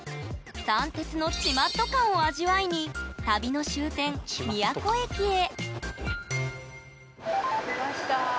三鉄の「ちまっと感」を味わいに旅の終点宮古駅へ着きました。